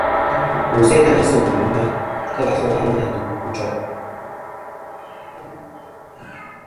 Wù sè sɨ taŋi sɨ̂ wùl ɨ lwema kelɨ̀ àfol a ŋweyn atu wu choʼ.